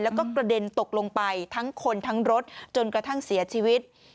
แล้วก็กระเด็นตกลงไปทั้งคนทั้งรถจนกระทั่งเสียชีวิต